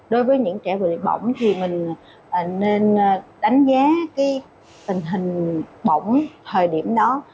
đối với những trẻ vừa bị bỏng thì mình nên đánh giá cái tình hình bỏng thời điểm đó